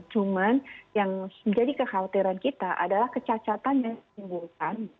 cuman yang menjadi kekhawatiran kita adalah kecacatan yang disimbulkan